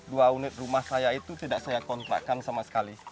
dua unit rumah saya itu tidak saya kontrakkan sama sekali